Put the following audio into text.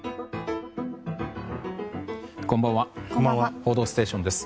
「報道ステーション」です。